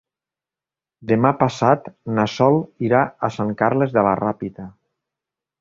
Demà passat na Sol irà a Sant Carles de la Ràpita.